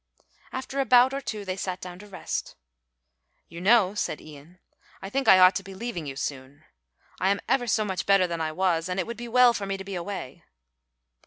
After a bout or two, they sat down to rest. "You know," said Ian, "I think I ought to be leaving you soon. I am ever so much better than I was and it would be well for me to be away."